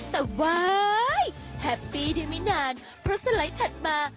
แต่ว้ายแฮปปี้ได้ไม่นานเพราะสไลด์ถัดมา